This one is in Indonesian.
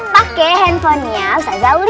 paket handphonenya ustaz aulia